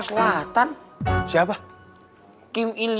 sayangen apa nih orang metricin